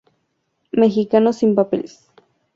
Mexicano sin papeles.